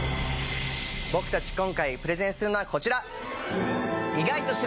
僕たち今回プレゼンするのはこちら！